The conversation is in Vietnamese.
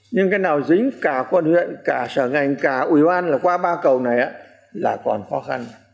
nhưng cái nào dính cả quận huyện cả sở ngành cả ủy ban là qua ba cầu này là còn khó khăn